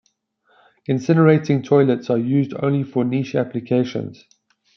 Incinerating toilets are used only for niche applications.